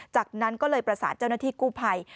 จากนั้นก็เลยประสานเจ้าหน้าที่กู้ภัย